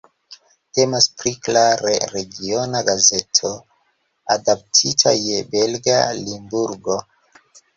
Temas pri klare regiona gazeto, adaptita je belga Limburgo.